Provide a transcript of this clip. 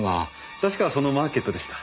確かそのマーケットでした。